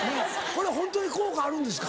これホントに効果あるんですか？